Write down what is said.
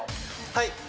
はい！